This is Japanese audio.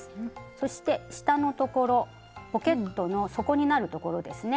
そして下の所ポケットの底になる所ですね。